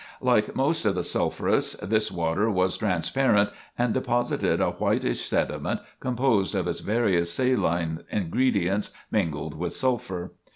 Like most of the sulphurous, this water was transparent and deposited a whitish sediment composed of its various saline ingredients mingled with sulphur.